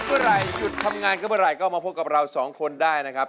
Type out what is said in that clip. วันหยุดเวลาหยุดทำงานเวลาก็มาพบกับเราสองคนได้นะครับ